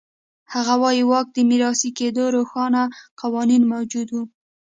هغه وایي واک د میراثي کېدو روښانه قوانین موجود و.